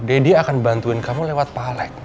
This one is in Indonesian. deddy akan bantuin kamu lewat palek